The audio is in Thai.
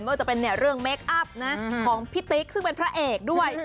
ว่าจะเป็นเรื่องเมคอัพของพี่ติ๊กซึ่งเป็นพระเอกด้วย